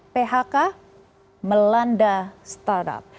phk melanda startup